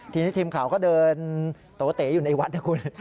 ทีนี้ทีมข่าวก็เดินโตเต๋อยู่ในวัดนะคุณ